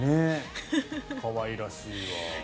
可愛らしいわ。